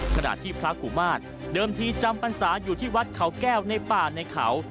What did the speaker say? ขณะที่พระกุมาตรเดิมทีจำพรรษาอยู่ที่วัดเขาแก้วในป่าในเขา